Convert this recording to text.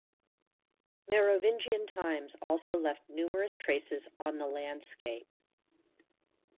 Merovingian times also left numerous traces on the landscape.